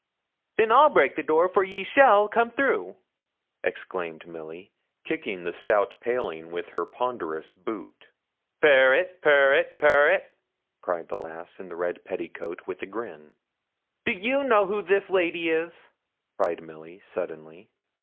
'Then I'll break the door, for ye shall come through,' exclaimed Milly, kicking the stout paling with her ponderous boot. 'Purr it, purr it, purr it!' cried the lass in the red petticoat with a grin. 'Do you know who this lady is?' cried Milly, suddenly.